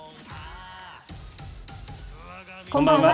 こんばんは。